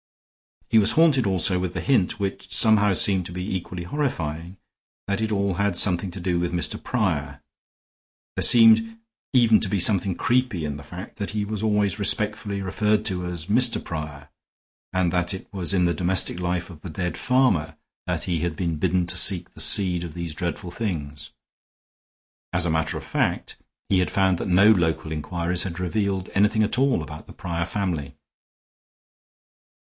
He was haunted also with the hint, which somehow seemed to be equally horrifying, that it all had something to do with Mr. Prior. There seemed even to be something creepy in the fact that he was always respectfully referred to as Mr. Prior, and that it was in the domestic life of the dead farmer that he had been bidden to seek the seed of these dreadful things. As a matter of fact, he had found that no local inquiries had revealed anything at all about the Prior family.